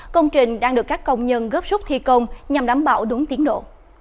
công trình đang được các công nhân góp súc thi công nhằm đảm bảo đúng tiến độ